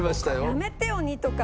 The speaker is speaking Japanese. やめてよ２とか。